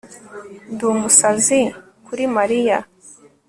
Ndumusazi kuri Mariya